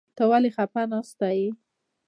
ته ولې خپه ناسته يې ؟